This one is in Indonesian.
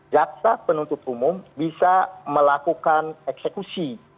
jaksa penuntut umum bisa melakukan eksekusi